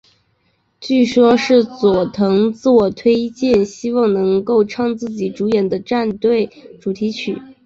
据说是佐藤自我推荐希望能够唱自己主演的战队主题曲。